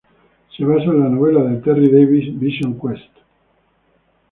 Se basa en la novela de Terry Davis, "Vision Quest".